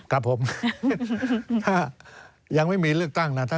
ครับผมถ้ายังไม่มีเลือกตั้งนะ